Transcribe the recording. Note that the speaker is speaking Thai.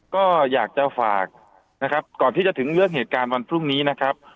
ก็อยากจะฝากนะครับก่อนที่จะถึงเรื่องเหตุการณ์วันพรุ่งนี้นะครับ